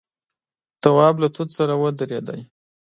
تواب له توت سره ودرېد.